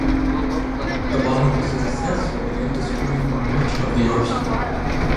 The bombing was successful in destroying much of the arsenal.